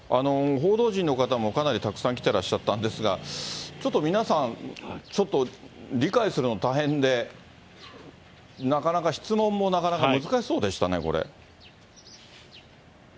報道陣の方もかなりたくさん来てらっしゃったんですが、ちょっと皆さん、ちょっと理解するの大変で、なかなか質問も、なかなか難しそうでしたね、これ。